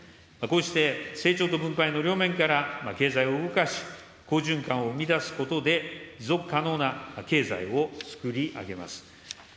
こうして成長と分配の両面から、経済を動かし、好循環を生み出すことで、持続可能な経済をつくり上げます。